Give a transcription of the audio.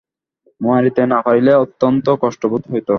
মারিতে না পারিলে অত্যন্ত কষ্ট বোধ হইত।